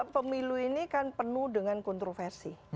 pemilu ini kan penuh dengan kontroversi